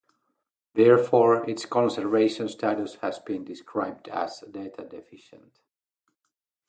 Therefore its conservation status has been described as Data Deficient.